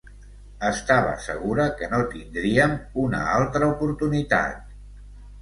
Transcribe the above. Estava segura que no tindríem una altra oportunitat...